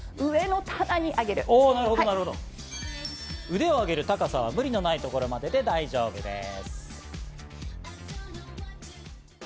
腕を上げる高さは無理のないところまでで大丈夫です。